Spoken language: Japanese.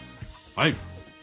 「はい」